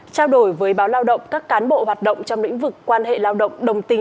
trao đổi với báo lao động các cán bộ hoạt động trong lĩnh vực quan hệ lao động